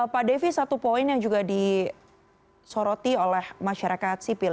pak devi satu poin yang juga disoroti oleh masyarakat sipil